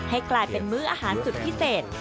ให้กลายเป็นมื้ออาหารสุดพิเศษ